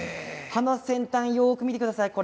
先端をよく見てください。